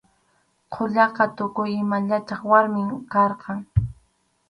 Quyaqa tukuy ima yachaq warmim karqan.